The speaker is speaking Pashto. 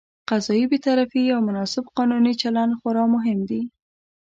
قضايي بېطرفي او مناسب قانوني چلند خورا مهم دي.